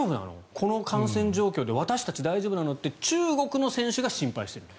この感染状況で私たち大丈夫なの？って中国の選手が心配していると。